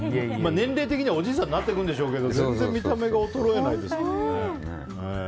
年齢的にはおじいさんになっていくんでしょうけど全然見た目が衰えないですね。